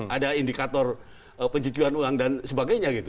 ada indikator pencucian uang dan sebagainya gitu